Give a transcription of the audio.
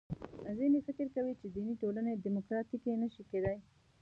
ځینې فکر کوي چې دیني ټولنې دیموکراتیکې نه شي کېدای.